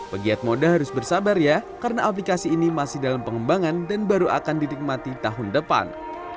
pegiat moda harus bersabar ya karena aplikasi ini masih dalam pengembangan dan baru akan didikmati tahun depan